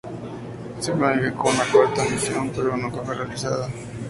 Se planificó una cuarta misión pero nunca fue realizada.